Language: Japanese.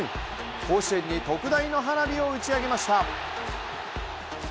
甲子園に特大の花火を打ち上げました。